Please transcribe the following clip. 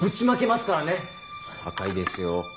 赤いですよ。